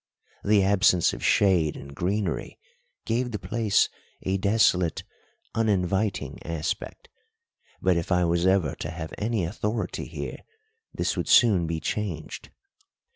The absence of shade and greenery gave the place a desolate, uninviting aspect, but if I was ever to have any authority here this would soon be changed.